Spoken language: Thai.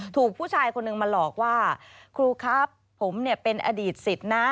ถูกผู้ชายคนหนึ่งมาหลอกว่าครูครับผมเป็นอดีตสิทธิ์นะ